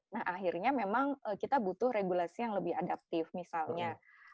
nah akhirnya memang kita butuh regulasi yang lebih adaptif misalnya